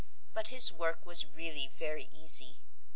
But his work was really very easy.